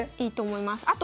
いいと思います。